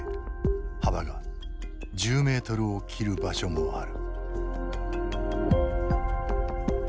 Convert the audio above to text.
幅が１０ｍを切る場所もある。